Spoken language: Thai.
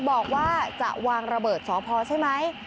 บอกว่าจะวางระเบิดสพใช่ไหม